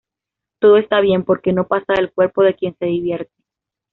Todo está bien, porque no pasa del cuerpo de quien se divierte.